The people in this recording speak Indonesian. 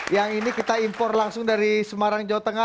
yang ini kita impor langsung dari semarang jawa tengah